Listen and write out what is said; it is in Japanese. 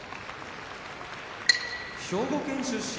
兵庫県出身